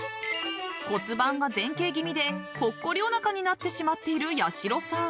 ［骨盤が前傾気味でぽっこりおなかになってしまっているやしろさん］